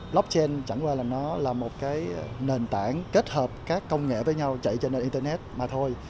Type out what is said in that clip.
blockchain chẳng qua là một nền tảng kết hợp các công nghệ với nhau chạy trên internet mà thôi